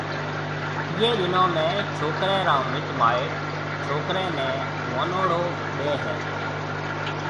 ايئيَ ڏنون ۾ ڇوڪرَي را مِٽ مائيٽ ڇوڪرَي نيَ ونوݪو ڏَي ھيََََ